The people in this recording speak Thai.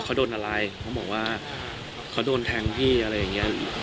เขาโดนอะไรเขาบอกว่าเขาโดนแทงพี่อะไรอย่างเงี้ย